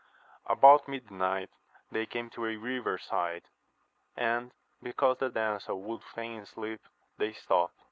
About midnight they came to a river side, and, because the damsel would fain sleep, they stopt.